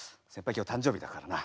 今日誕生日だからな。